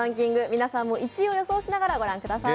皆さんも１位を予想しながら御覧ください。